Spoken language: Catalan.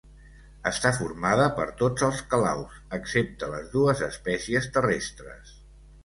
Està formada per tots els calaus, excepte les dues espècies terrestres.